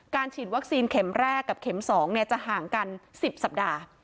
ฉีดวัคซีนเข็มแรกกับเข็ม๒จะห่างกัน๑๐สัปดาห์